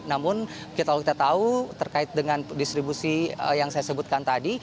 namun kalau kita tahu terkait dengan distribusi yang saya sebutkan tadi